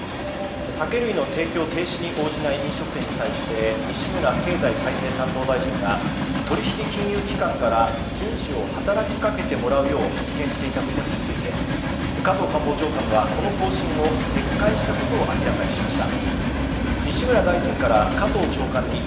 酒類の提供停止に応じない飲食店に対して西村経済再生担当大臣が取引金融機関から順守を働きかけてもらうよう発言していたことについて加藤官房長官はこの方針を撤回したことを明らかにしました。